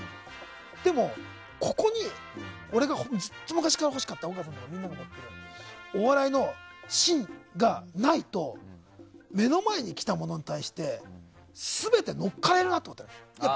でも、ここに俺がずっと昔から欲しかったお笑いの芯がないと目の前に来た者に対して全て乗っかれるなと思って。